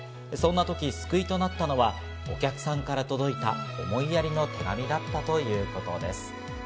そんなとき救いとなったのはお客さんから届いた思いやりの手紙だったということです。